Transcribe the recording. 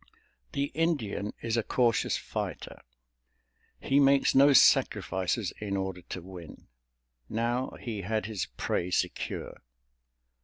The Indian is a cautious fighter—he makes no sacrifices in order to win. Now he had his prey secure.